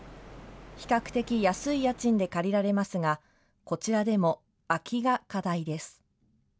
比較的安い家賃で借りられますが、こちらでも空きが課題です。